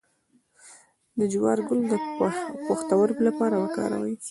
د جوار ګل د پښتورګو لپاره وکاروئ